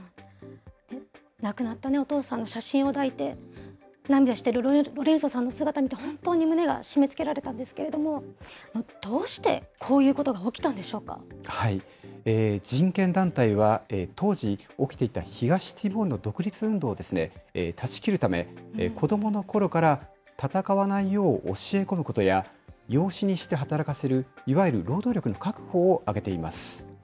亡くなったお父さんの写真を抱いて、涙しているロレンソさんの姿を見て、本当に胸が締めつけられたんですけれども、どうしてこういうこと人権団体は当時、起きていた東ティモールの独立運動を断ち切るため、子どものころから戦わないよう教え込むことや、養子にして働かせる、いわゆる労働力の確保を挙げています。